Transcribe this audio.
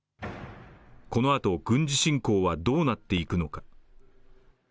このあと軍事侵攻はどうなっていくのか。